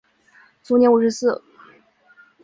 卒年五十四。